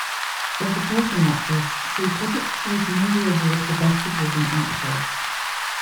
For supporting actress, see Critics' Choice Movie Award for Best Supporting Actress.